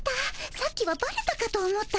さっきはバレたかと思ったよ。